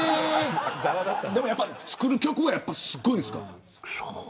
でも、作る曲はやっぱすごいですか。